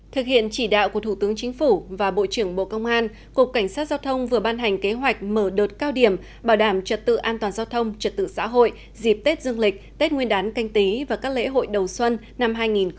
thực hiện chỉ đạo của thủ tướng chính phủ và bộ trưởng bộ công an cục cảnh sát giao thông vừa ban hành kế hoạch mở đợt cao điểm bảo đảm trật tự an toàn giao thông trật tự xã hội dịp tết dương lịch tết nguyên đán canh tí và các lễ hội đầu xuân năm hai nghìn hai mươi